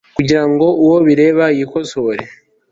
kugira ngo uwo bireba yikosore